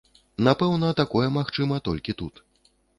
Напэўна, такое магчыма толькі тут.